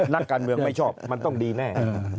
นักการเมืองไม่ชอบมันต้องดีแน่